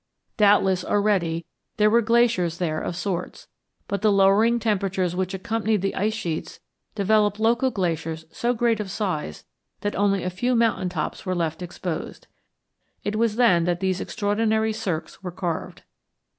Doubtless already there were glaciers there of sorts, but the lowering temperatures which accompanied the ice sheets developed local glaciers so great of size that only a few mountain tops were left exposed. It was then that these extraordinary cirques were carved.